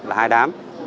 là hai đám